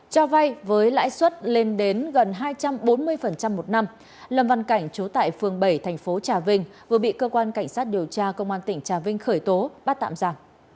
cho vay với lãi suất lên đến gần hai trăm bốn mươi một năm lầm văn cảnh chú tại phường bảy thành phố trà vinh vừa bị cơ quan cảnh sát điều tra công an tỉnh trà vinh khởi tố bắt tạm giả